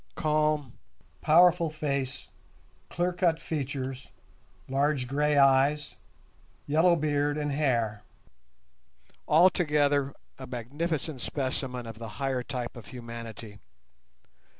Calm, powerful face, clear cut features, large grey eyes, yellow beard and hair—altogether a magnificent specimen of the higher type of humanity.